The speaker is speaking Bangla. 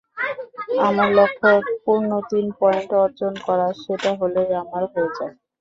আমার লক্ষ্য পূর্ণ তিন পয়েন্ট অর্জন করা, সেটা হলেই আমার হয়ে যায়।